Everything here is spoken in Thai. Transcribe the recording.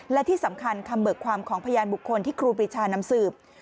และที่สำคัญคำเบิกความของพยานบุคคลที่ครูปรีชานำสืบ